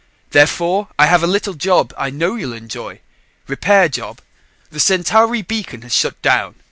Therefore I have a little job I know you'll enjoy. Repair job. The Centauri beacon has shut down.